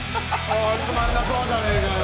つまんなさそうじゃねーかよ